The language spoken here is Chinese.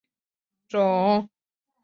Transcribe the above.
芫花为瑞香科瑞香属下的一个种。